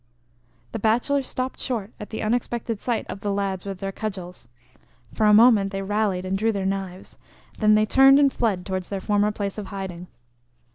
The bachelors stopped short at the unexpected sight of the lads with their cudgels. For a moment they rallied and drew their knives; then they turned and fled towards their former place of hiding.